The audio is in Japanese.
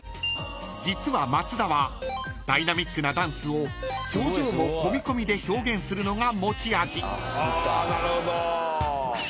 ［実は松田はダイナミックなダンスを表情も込み込みで表現するのが持ち味］